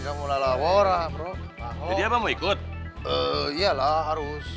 kamu lawor lawor bro mau ikut iyalah harus